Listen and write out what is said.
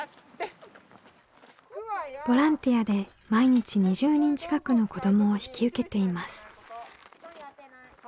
ボランティアで毎日２０人近くの子どもを引き受けています。